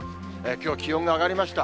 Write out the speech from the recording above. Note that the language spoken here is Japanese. きょう気温が上がりました。